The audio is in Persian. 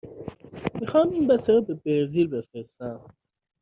می خواهم این بسته را به برزیل بفرستم.